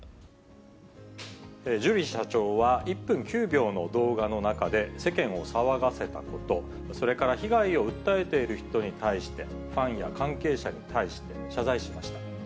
ジュリー社長は、１分９秒の動画の中で、世間を騒がせたこと、それから被害を訴えている人に対して、ファンや関係者に対して謝罪しました。